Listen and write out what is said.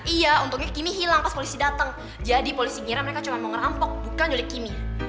iya untungnya kimi hilang pas polisi dateng jadi polisi ngira mereka cuma mau ngerampok bukan jualan kimi